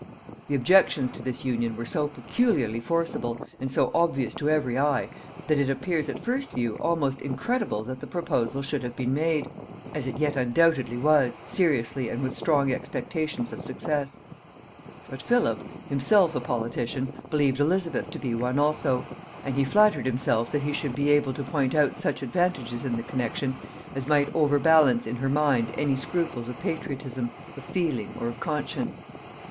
The objections to this union were so peculiarly forcible, and so obvious to every eye, that it appears at first view almost incredible that the proposal should have been made, as it yet undoubtedly was, seriously and with strong expectations of success. But Philip, himself a politician, believed Elizabeth to be one also; and he flattered himself that he should be able to point out such advantages in the connexion as might over balance in her mind any scruples of patriotism, of feeling, or of conscience.